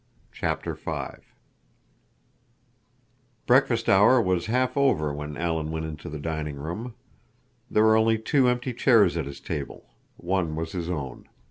CHAPTER V Breakfast hour was half over when Alan went into the dining room. There were only two empty chairs at his table. One was his own.